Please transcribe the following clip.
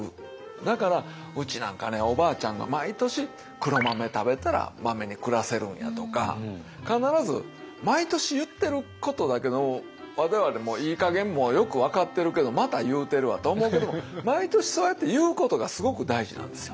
だからうちなんかねおばあちゃんが毎年黒豆食べたらマメに暮らせるんやとか必ず毎年言ってることだけども我々もいいかげんもうよく分かってるけどまた言うてるわと思うけども毎年そうやって言うことがすごく大事なんですよ。